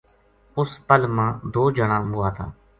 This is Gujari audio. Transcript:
اُس پل ما دو جنا مُوا تھا